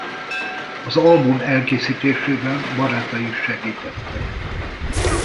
Az album elkészítésében barátai is segítettek.